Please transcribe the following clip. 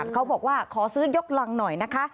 เขาบอกว่าขอซื้อยกรังหน่อยนะคะ